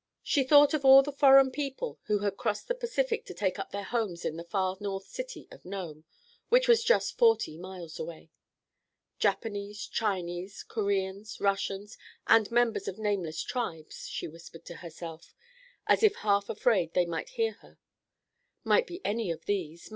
She thought of all the foreign people who had crossed the Pacific to take up their homes in the far north city of Nome, which was just forty miles away. "Japanese, Chinese, Koreans, Russians, and members of nameless tribes," she whispered to herself, as if half afraid they might hear her. "Might be any of these.